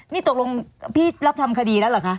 นี่ตกลงพี่รับทำคดีแล้วเหรอคะ